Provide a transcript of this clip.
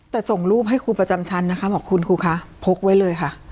แต่ส่งรูปให้ครูประจำชั้นนะคะบอกคุณครูคะพกไว้เลยค่ะ